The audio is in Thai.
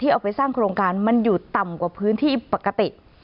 เอาไปสร้างโครงการมันอยู่ต่ำกว่าพื้นที่ปกติ